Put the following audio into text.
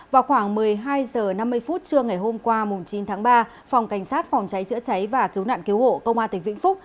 vào khoảng một mươi hai h năm mươi phút trưa ngày hôm qua chín tháng ba phòng cảnh sát phòng cháy chữa cháy và cứu nạn cứu hộ công an tỉnh vĩnh phúc